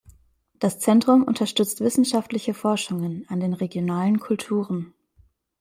Das Zentrum unterstützt wissenschaftliche Forschungen an den regionalen Kulturen.